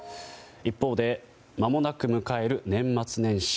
一方でまもなく迎える年末年始。